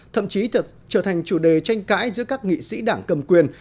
thậm chí trở thành chủ đề tranh cãi giữa các nghị sĩ đảng cầm quyền